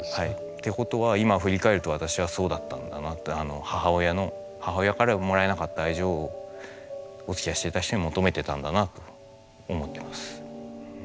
ってことは今振り返ると私はそうだったんだなって母親のおつきあいしていた人に求めてたんだなと思ってます。